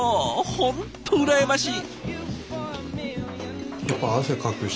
本当うらやましい！